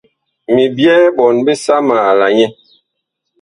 Mi byɛɛ ɓɔɔn bisama la nyɛ.